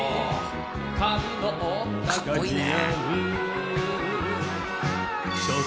「かっこいいね」